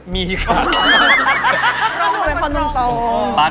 ไม่มัน